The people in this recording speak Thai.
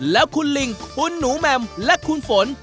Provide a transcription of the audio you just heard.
แล้วคุณลิงคุณหนูแมมและคุณฝน